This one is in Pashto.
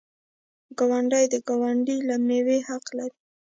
ګاونډی د ګاونډي له میوې حق لري.